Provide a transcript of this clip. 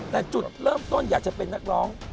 แต่จุดเริ่มต้นอยากจะเป็นนักร้อง